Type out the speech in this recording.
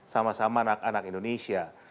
sama sama anak anak indonesia